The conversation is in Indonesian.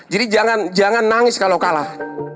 jadi jangan nangis kalau kalah